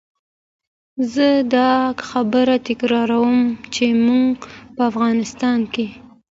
زه دا خبره تکراروم چې موږ په افغانستان کې.